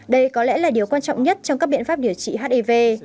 đây có lẽ là điều quan trọng nhất trong các biện pháp điều trị hiv